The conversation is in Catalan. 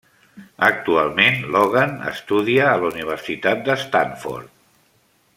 Actualment Logan estudia a la Universitat de Stanford.